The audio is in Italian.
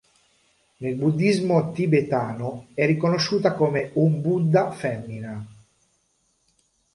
Nel buddismo tibetano è riconosciuta come un Buddha femmina.